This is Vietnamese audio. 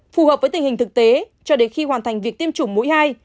phù hợp với tình hình thực tế cho đến khi hoàn thành việc tiêm chủng mũi hai